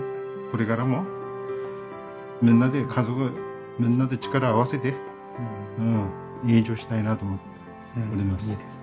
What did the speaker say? これからもみんなで家族みんなで力を合わせて営業したいなと思っております。